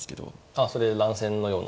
あそれで乱戦のような。